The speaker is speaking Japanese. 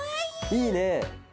いいね！